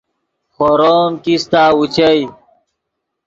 خورو ام کیستہ اوچئے